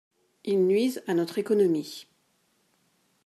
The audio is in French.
Ils nuisent à notre économie.